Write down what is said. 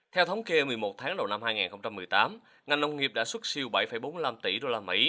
theo thống kê một mươi một tháng đầu năm hai nghìn một mươi tám ngành nông nghiệp đã xuất siêu bảy bốn mươi năm tỷ usd